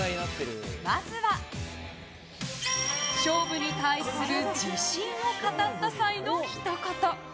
まずは、勝負に対する自信を語った際のひと言。